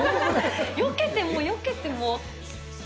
よけてもよけても。